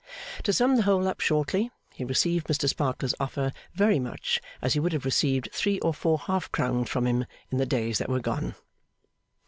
To sum the whole up shortly, he received Mr Sparkler's offer very much as he would have received three or four half crowns from him in the days that were gone.